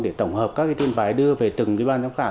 để tổng hợp các tin bài đưa về từng ban giám khảo